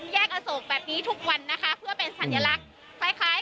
แยกอโศกแบบนี้ทุกวันนะคะเพื่อเป็นสัญลักษณ์คล้ายคล้าย